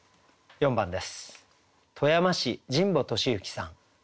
４番です。